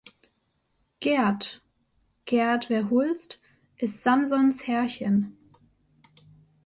Gert (Gert Verhulst) ist Samsons Herrchen.